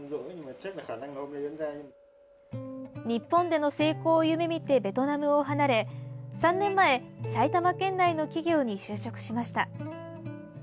日本での成功を夢みてベトナムを離れ３年前、埼玉県内の企業に就職しました。